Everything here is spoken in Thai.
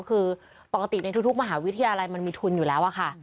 คือปกติในทุกมหาวิทยาลัยมันมีทุนอยู่แล้วค่ะ